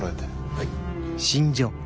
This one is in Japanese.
はい。